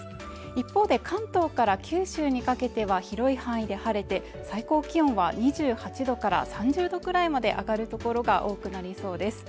一方で関東から九州にかけては広い範囲で晴れて最高気温は２８度から３０度くらいまで上がる所が多くなりそうです